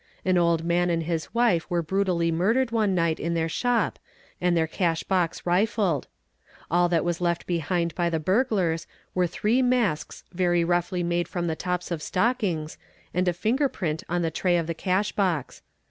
An old man and his wife were brutally murdered one night in their shop and their cash box rifled. All that was left behind by the burglars were three masks very roughly made from the tops of stockings and a finger print on the tray of the cash box.